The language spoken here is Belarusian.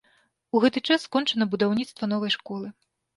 У гэты час скончана будаўніцтва новай школы.